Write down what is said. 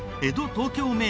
東京名所